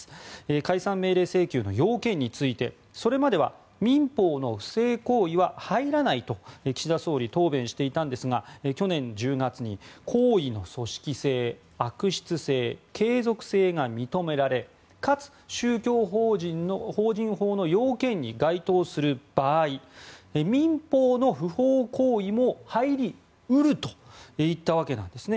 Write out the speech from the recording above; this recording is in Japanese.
解散命令請求の要件についてそれまでは民法の不法行為は入らないと岸田総理、答弁していたんですが去年１０月に行為の組織性、悪質性、継続性が認められかつ宗教法人法の要件に該当する場合民法の不法行為も入り得ると言ったわけです。